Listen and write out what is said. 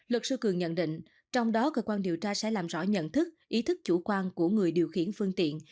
luật sư cường nhận định trong đó cơ quan điều tra sẽ làm rõ nhận thức ý thức chủ quan của người điều khiển phương tiện